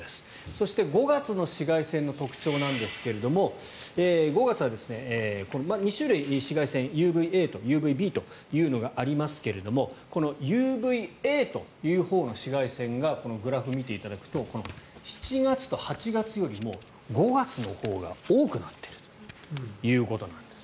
そして５月の紫外線の特徴なんですが５月は２種類、紫外線はＵＶＡとＵＶＢというのがありますがこのＵＶＡというほうの紫外線がグラフを見ていただくと７月と８月よりも５月のほうが多くなっているということなんです。